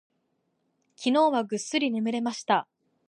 昨日はぐっすり眠れました。